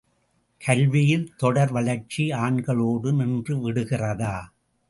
கல்வியில் தொடர் வளர்ச்சி ஆண்களோடு நின்று விடுகிறதா?